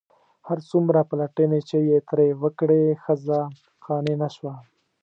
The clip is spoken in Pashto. هر څومره پلټنې چې یې ترې وکړې ښځه قانع نه شوه.